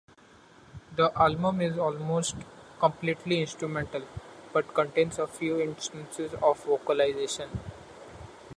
The album is almost completely instrumental, but contains a few instances of vocalization.